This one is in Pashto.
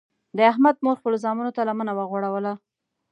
د احمد مور خپلو زمنو ته لمنه وغوړوله.